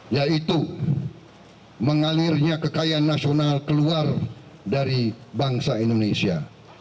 yaitu mengalirnya kekayaan nasional keluar dari bangsa indonesia